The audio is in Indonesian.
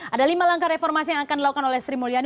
ada lima langkah reformasi yang akan dilakukan oleh sri mulyani